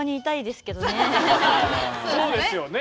そうですよね。